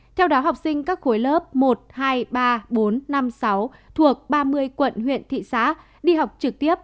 theo đó học sinh các khối lớp một hai ba bốn năm sáu thuộc ba mươi quận huyện thị xã đi học trực tiếp